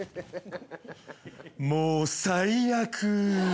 もう最悪。